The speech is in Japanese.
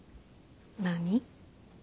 何？